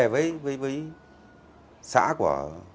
với xã của